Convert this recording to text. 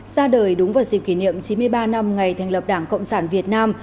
ra đời đúng vào dịp kỷ niệm chín mươi ba năm ngày thành lập đảng cộng sản việt nam